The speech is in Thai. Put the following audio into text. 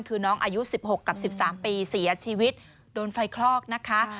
คือน้องอายุ๑๖กับ๑๓ปีเสียชีวิตโดนไฟคลอกนะคะ